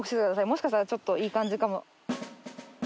もしかしたらちょっといい感じかも。